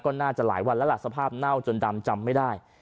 ก็น่าจะหลายวันแล้วล่ะสภาพเน่าจนดำจำไม่ได้